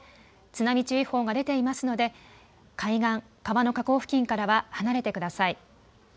津波注意報が出ていますので海岸、川の河口付近からは離れてください。